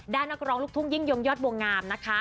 นักร้องลูกทุ่งยิ่งยงยอดบวงงามนะคะ